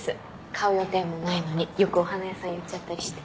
買う予定もないのによくお花屋さん寄っちゃったりして。